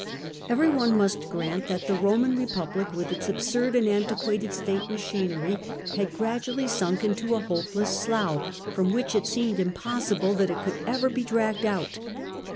Every one must grant that the Eoman Eepublic, with its absurd and antiquated state machinery, had gradually sunk into a hopeless slough, from which it seemed im possible that it could ever be dragged out.